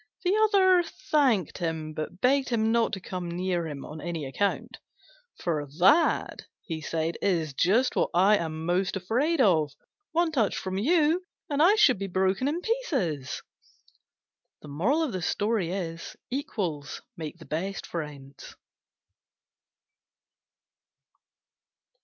The other thanked him, but begged him not to come near him on any account: "For that," he said, "is just what I am most afraid of. One touch from you and I should be broken in pieces." Equals make the best friends.